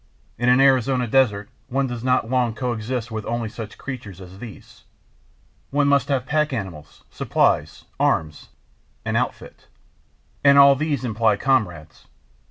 In an Arizona desert one does not long coexist with only such creatures as these: one must have pack animals, supplies, arms—"an outfit." And all these imply comrades.